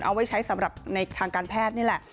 เอาไว้ใช้สำหรับในทางการแพทย์นี่แหละ